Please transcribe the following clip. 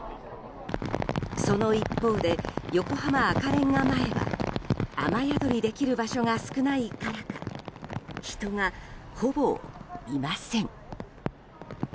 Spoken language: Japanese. その一方で、横浜赤レンガ前は雨宿りできる場所が少ないからか人がほぼいません。